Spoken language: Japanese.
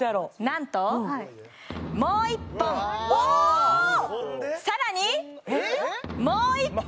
何ともう１本おおさらにもう１本！